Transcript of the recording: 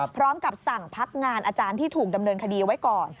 พร้อมกับสั่งพักงานอาจารย์ที่ถูกดำเนินคดีไว้ก่อน